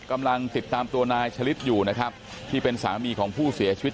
กำลังติดตามตัวนายชะลิดอยู่นะครับที่เป็นสามีของผู้เสียชีวิต